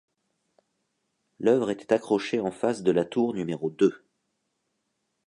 L'œuvre était accrochée en face de la tour numéro deux.